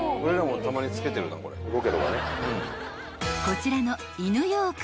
［こちらの］